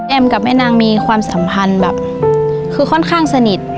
กับแม่นางมีความสัมพันธ์แบบคือค่อนข้างสนิท